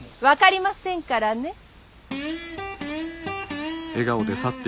分かりませんからね。